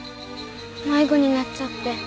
迷子になっちゃって。